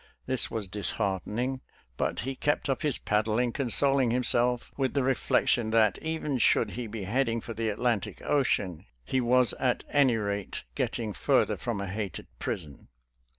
This was disheartening,' but he; kept up' his; paddling, consoling himself with the reflection' that even should he be heading for the. Atlantic Ocean, he was at any rate getting further from a hated prison.